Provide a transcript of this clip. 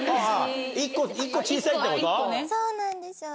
そうなんですよ。